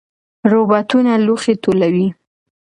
روباټونه لوښي ټولوي.